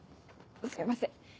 すいません。